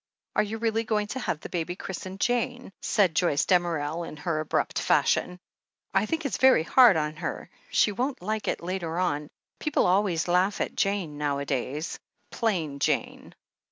"Are you really going to have the baby christened Jane?" said Joyce Damerel in her abrupt fashion. "I think it's very hard on her. She won't like it later on — people always laugh at 'J^^ne' nowadays — 'Plain Jane.'